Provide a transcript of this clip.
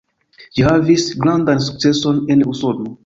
Ĝi havis grandan sukceson en Usono.